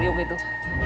aduh aduh aduh